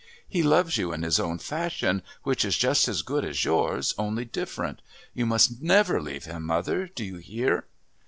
He loves you in his own fashion, which is just as good as yours, only different. You must never leave him, mother, do you hear?"